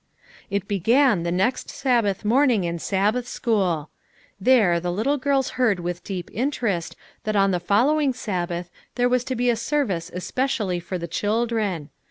It began the next Sabbath morning in Sab bath school. There, the little girls heard with deep interest that on the following Sabbath there was to be a service especially for the chil dren.